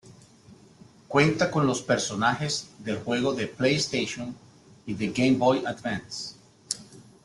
Cuenta con los personajes del juego de PlayStation y de Game Boy Advance.